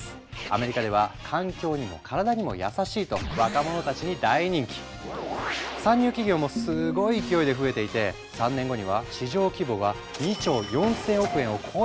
アメリカでは環境にも体にも優しいと参入企業もすごい勢いで増えていて３年後には市場規模がどうです？